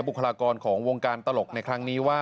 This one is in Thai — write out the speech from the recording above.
บุคลากรของวงการตลกในครั้งนี้ว่า